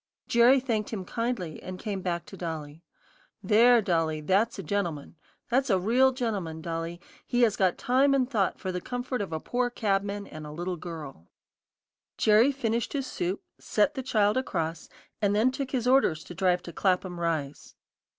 Jerry thanked him kindly, and came back to Dolly. "There, Dolly, that's a gentleman; that's a real gentleman, Dolly; he has got time and thought for the comfort of a poor cabman and a little girl." Jerry finished his soup, set the child across, and then took his orders to drive to Clapham Rise.